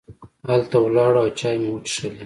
هلته ولاړو او چای مو وڅښلې.